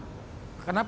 yang diberikan kementerian